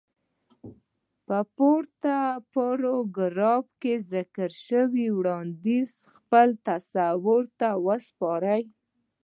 په پورته پاراګراف کې ذکر شوی وړانديز خپل تصور ته وسپارئ.